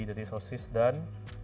jadi sosis dan